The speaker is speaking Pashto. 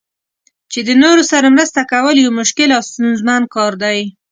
چې د نورو سره مرسته کول یو مشکل او ستونزمن کار دی.